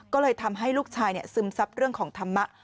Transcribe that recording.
ก็เลยทำให้ลูกชายซึมซับเรื่องของธรรมะ